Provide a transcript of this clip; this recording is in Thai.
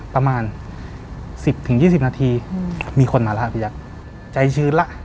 ประมาณสิบถึงยี่สิบนาทีมีคนมาแล้วครับพี่จักรใจชื้นล่ะอ๋อ